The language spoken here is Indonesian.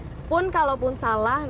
agar tidak sampai salah pilih